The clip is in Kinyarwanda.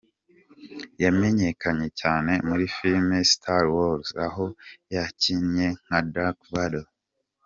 Yamenyekanye cyane muri filime ‘Star Wars’ aho yakinnye nka Dark Vador.